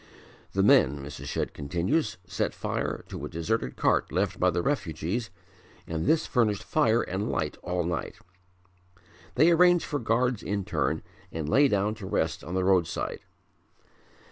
"The men," Mrs. Shedd continues, "set fire to a deserted cart left by the refugees and this furnished fire and light all night. They arranged for guards in turn and lay down to rest on the roadside.